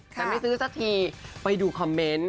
แต่ไม่ซื้อสักทีไปดูคอมเมนต์